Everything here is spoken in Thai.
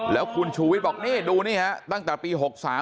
แล้วคุณชูวิทย์บอกนี่ดูนี่ฮะตั้งแต่ปี๖๓